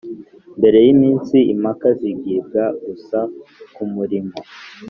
mbere yiminsi Impaka zigibwa gusa kumurimo